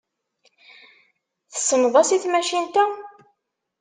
Tessneḍ-as i tmacint-a?